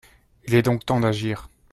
Il est donc temps d’agir